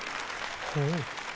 ほう。